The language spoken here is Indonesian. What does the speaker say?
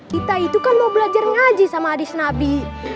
kita itu kan mau belajar ngaji sama adis nabi